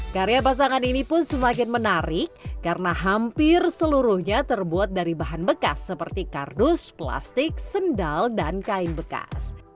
karya pasangan ini pun semakin menarik karena hampir seluruhnya terbuat dari bahan bekas seperti kardus plastik sendal dan kain bekas